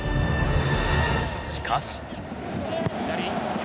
しかし。